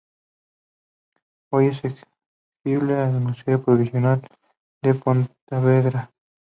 Hoy se exhibe en el Museo Provincial de Pontevedra.